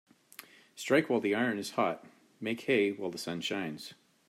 Strike while the iron is hot Make hay while the sun shines